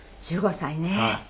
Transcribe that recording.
１５歳ね。